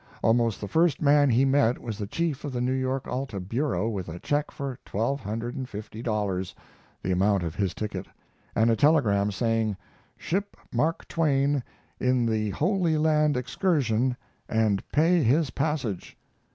Almost the first man he met was the chief of the New York Alta bureau with a check for twelve hundred and fifty dollars (the amount of his ticket) and a telegram saying, "Ship Mark Twain in the Holy Land Excursion and pay his passage."